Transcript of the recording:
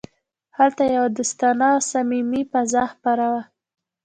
هلته یوه دوستانه او صمیمي فضا خپره وه